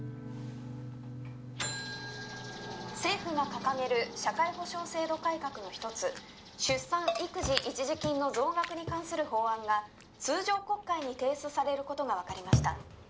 「政府が掲げる社会保障制度改革の一つ出産育児一時金の増額に関する法案が通常国会に提出される事がわかりました」